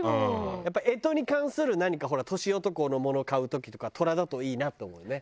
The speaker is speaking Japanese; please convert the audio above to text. やっぱ干支に関する何かほら年男のものを買う時とか寅だといいなって思うね。